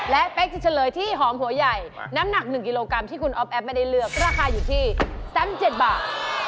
และเป๊กจะเฉลยที่หอมหัวใหญ่น้ำหนัก๑กิโลกรัมที่คุณอ๊อฟแอฟไม่ได้เลือกราคาอยู่ที่๓๗บาท